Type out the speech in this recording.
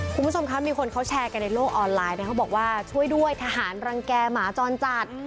คุณผู้ชมคะมีคนเขาแชร์กันในโลกออนไลน์นะเขาบอกว่าช่วยด้วยทหารรังแก่หมาจรจัด